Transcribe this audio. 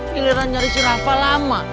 pilih rancang si rafa lama